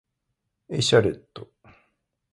エシャレット